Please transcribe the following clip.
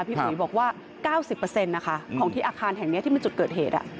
พี่อุ๋ยบอกว่า๙๐นะคะของที่อาคารแห่งนี้ที่มันจุดเกิดเหตุ